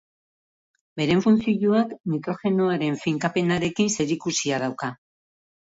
Beren funtzioak nitrogenoaren finkapenarekin zerikusia dauka.